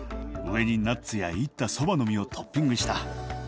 上にナッツや煎ったそばの実をトッピングした。